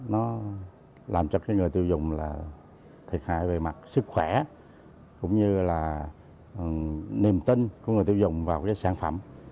nó làm cho cái người tiêu dùng là thiệt hại về mặt sức khỏe cũng như là niềm tin của người tiêu dùng vào cái sản phẩm